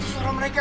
itu suara mereka